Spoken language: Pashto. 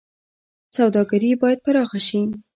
سوداګري باید پراخه شي